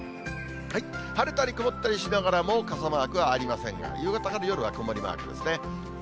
晴れたり曇ったりしながらも、傘マークはありませんが、夕方から夜は曇りマークですね。